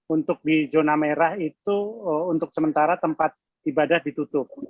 untuk di zona merah itu untuk sementara tempat ibadah ditutup